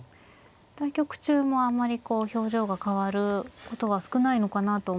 対局中もあんまりこう表情が変わることは少ないのかなと思うんですが。